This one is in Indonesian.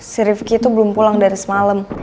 si rivki itu belum pulang dari semalam